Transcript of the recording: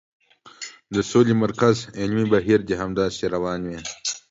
د سولې مرکز علمي بهیر دې همداسې روان وي.